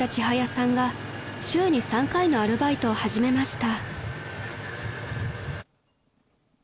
さんが週に３回のアルバイトを始めました］